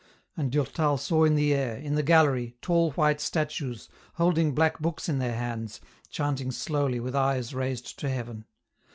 And Durtal saw in the air, in the gallery, tall white statues, holding black books in their hands, chanting slowly with eyes raised to heaven.